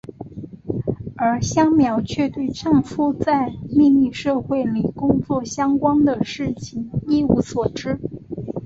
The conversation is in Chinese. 而香苗却对丈夫在秘密社会里工作相关的事情一无所知。